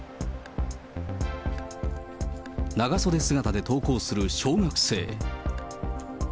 長袖姿で登校する小学生。